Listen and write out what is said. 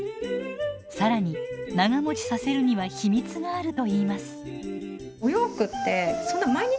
更に長もちさせるには秘密があるといいます。